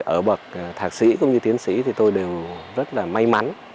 ở bậc thạc sĩ cũng như tiến sĩ thì tôi đều rất là may mắn